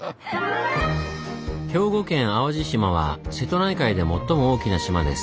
兵庫県淡路島は瀬戸内海で最も大きな島です。